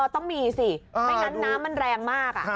ต้องมีสิไม่งั้นน้ำมันแรงมาก